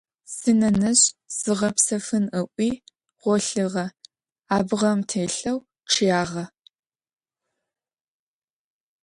Синэнэжъ зигъэпсэфын ыӏуи гъолъыгъэ, абгъэм телъэу чъыягъэ.